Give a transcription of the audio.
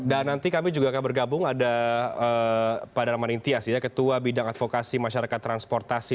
dan nanti kami juga akan bergabung ada pak dalman intias ketua bidang advokasi masyarakat transportasi